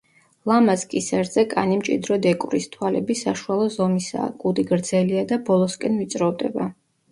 ლამაზ კისერზე კანი მჭიდროდ ეკვრის, თვალები საშუალო ზომისაა, კუდი გრძელია და ბოლოსკენ ვიწროვდება.